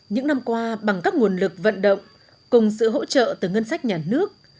những năm qua bằng các nguồn lực vận động cùng sự hỗ trợ từ ngân sách nhà nước